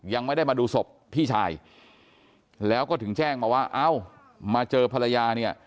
ยังไม่ได้มาดูศพพี่ชายแล้วก็ถึงแจ้งมาว่าเอ้ามาเจอภรรยาเนี่ย